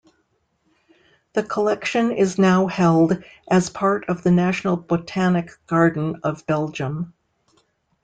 The collection is now held as part of the National Botanic Garden of Belgium.